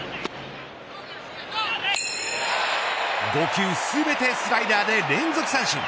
５球全てスライダーで連続三振。